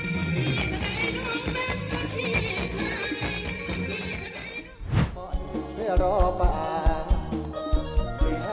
มันไม่รอบมาหรือห้าม